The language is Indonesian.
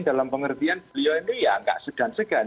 dalam pengertian beliau ini ya nggak segan segan